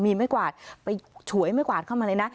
มีไม้กวาดไปฉวยไม่กวาดเข้ามาเลยนะ